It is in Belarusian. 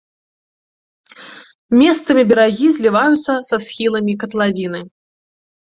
Месцамі берагі зліваюцца са схіламі катлавіны.